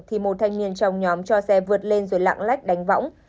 thì một thanh niên trong nhóm cho xe vượt lên rồi lạng lách đánh võng